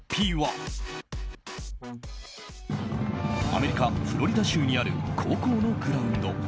アメリカ・フロリダ州にある高校のグラウンド。